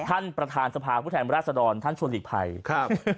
ท่านประธานสภาผู้แทนราชดรท่านชวนลิดไพร